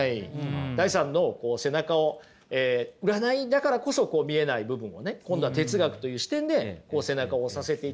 ダイさんの背中を占いだからこそ見えない部分をね今度は哲学という視点で背中を押させていただいたと。